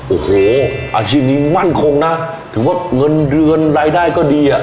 โอ้โหอาชีพนี้มั่นคงนะถือว่าเงินเดือนรายได้ก็ดีอ่ะ